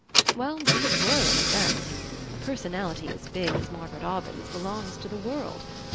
"Well, these were, in a sense. A personality as big as Margaret Aubyn's belongs to the world.